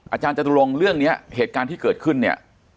อาจารย์จตุรงค์เรื่องนี้เหตุการณ์ที่เกิดขึ้นเนี่ย